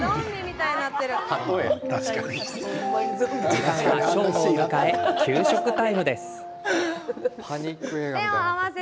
時間は正午を迎え給食タイムです。